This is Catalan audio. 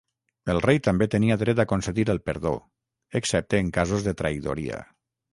El rei també tenia dret a concedir el perdó, excepte en casos de traïdoria.